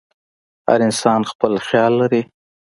هر انسان خپل خیال لري.